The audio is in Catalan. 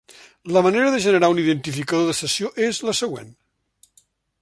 La manera de generar un identificador de sessió és la següent.